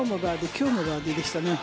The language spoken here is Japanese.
今日もバーディーでしたね。